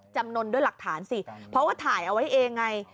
จำนวนด้วยหลักฐานสิเพราะว่าถ่ายเอาไว้เองไง